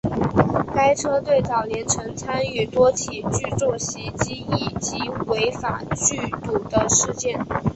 该车队早年曾参与多起聚众袭击以及违法聚赌事件。